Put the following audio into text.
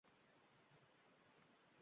Nargiza o`zini osib qo`yibdi